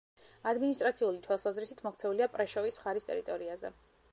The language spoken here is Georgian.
ადმინისტრაციული თვალსაზრისით მოქცეულია პრეშოვის მხარის ტერიტორიაზე.